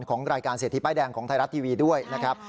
ของรายการเศรษฐีป้ายแดงของไทยรัฐทีวีด้วยนะครับ